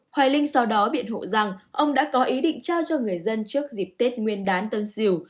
hoài linh sau đó biện hộ rằng ông đã có ý định trao cho người dân trước dịp tết nguyên đán tân sỉu